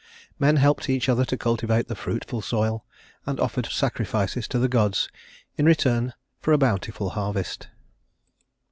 Men helped each other to cultivate the fruitful soil, and offered sacrifices to the gods in return for a bountiful harvest.